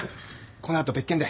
この後別件で。